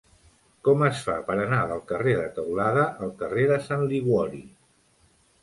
Com es fa per anar del carrer de Teulada al carrer de Sant Liguori?